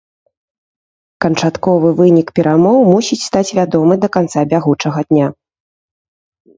Канчатковы вынік перамоў мусіць стаць вядомы да канца бягучага дня.